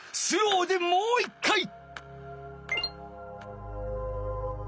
スローでもう一回。